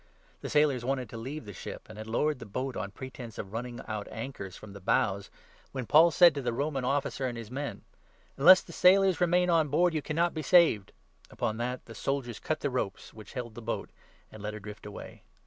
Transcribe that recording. The sailors wanted to leave 30 the ship, and had lowered the boat, on pretence of running out anchors from the bows, when Paul said to the Roman 31 Officer and his men :" Unless the sailors remain on board, you cannot be saved." Upon that the soldiers cut the ropes which held the boat, and 32 let her drift away.